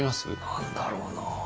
何だろうな。